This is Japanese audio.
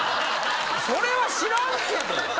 それは知らんけど。